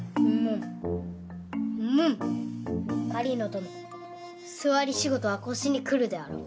どの座り仕事は腰にくるであろう。